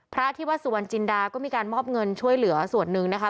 พระที่วัดสุวรรณจินดาก็มีการมอบเงินช่วยเหลือส่วนหนึ่งนะคะ